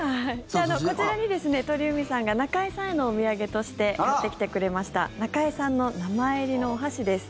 こちらに鳥海さんが中居さんへのお土産として買ってきてくれました中居さんの名前入りのお箸です。